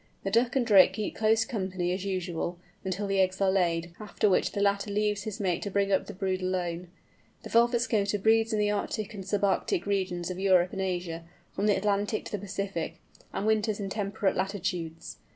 The duck and drake keep close company as usual, until the eggs are laid, after which the latter leaves his mate to bring up the brood alone. The Velvet Scoter breeds in the Arctic and sub Arctic regions of Europe and Asia, from the Atlantic to the Pacific, and winters in temperate latitudes.